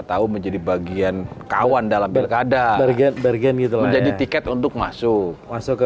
tahu menjadi bagian kawan dalam pilkada bergen bergen gitu menjadi tiket untuk masuk masuk ke